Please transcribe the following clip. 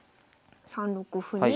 ３六歩に。